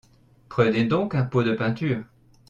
Prenez donc un pot de peinture.